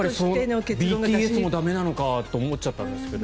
ＢＴＳも駄目なのかって思っちゃったんですけど。